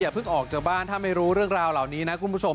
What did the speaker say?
เพิ่งออกจากบ้านถ้าไม่รู้เรื่องราวเหล่านี้นะคุณผู้ชม